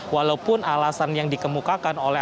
walaupun alasan yang dikemukakan oleh